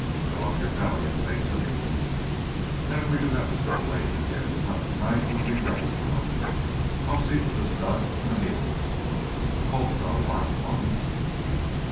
Fill up your belly an' take some ease. Then if we do have this little lady gittin' us up tonight, you'll be ready for it. I'll see t' th' stud an' th' mule. That colt's not a wild one."